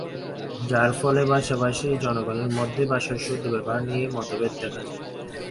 যার ফলে ভাষাভাষী জনগণের মধ্যে ভাষার শুদ্ধ ব্যবহার নিয়ে মতভেদ দেখা দেয়।